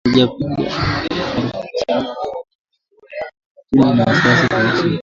na haijapiga marufuku sarafu ya kimtandao lakini ina wasiwasi kuhusu